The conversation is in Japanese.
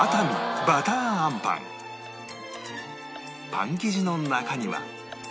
パン生地の中には